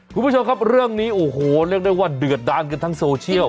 คุณผู้ชมครับเรื่องนี้โอ้โหเรียกได้ว่าเดือดดานกันทั้งโซเชียล